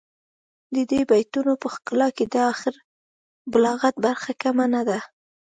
د دې بیتونو په ښکلا کې د اخر بلاغت برخه کمه نه ده.